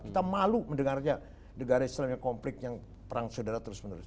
kita malu mendengarnya negara islam yang konflik yang perang saudara terus menerus